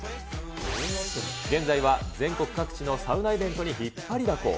現在は全国各地のサウナイベントに引っ張りだこ。